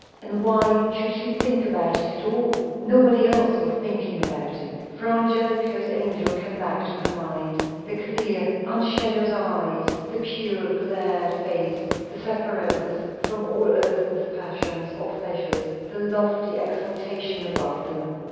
And why should she think about it at all? nobody else was thinking about it. Fra Angelico's angel came back to her mind; the clear, unshadowed eyes, the pure, glad face, the separateness from all earth's passions or pleasures, the lofty exaltation above them.